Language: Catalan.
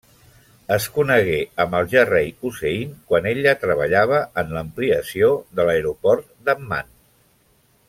Es conegué amb el ja rei Hussein quan ella treballava en l'ampliació de l'aeroport d'Amman.